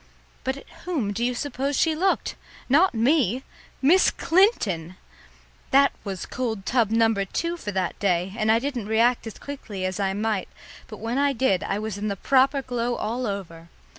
But at whom do you suppose she looked? Not me! Miss Clinton! That was cold tub number two for that day, and I didn't react as quickly as I might, but when I did I was in the proper glow all over.